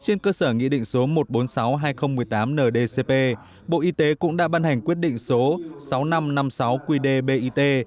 trên cơ sở nghị định số một trăm bốn mươi sáu hai nghìn một mươi tám ndcp bộ y tế cũng đã ban hành quyết định số sáu nghìn năm trăm năm mươi sáu qd bit